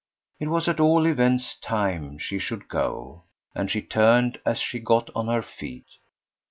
It was at all events time she should go, and she turned as she got on her feet.